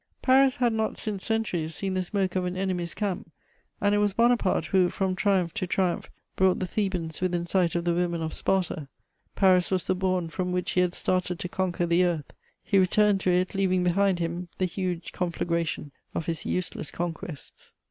Paris had not since centuries seen the smoke of an enemy's camp, and it was Bonaparte who, from triumph to triumph, brought the Thebans within sight of the women of Sparta. Paris was the bourn from which he had started to conquer the earth: he returned to it leaving behind him the huge conflagration of his useless conquests.